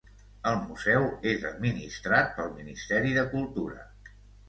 El Museu és administrat pel Ministeri de Cultura.